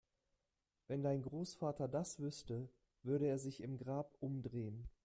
Wenn dein Großvater das wüsste, würde er sich im Grab umdrehen!